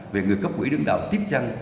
về người cấp quỹ đứng đạo tiếp chăng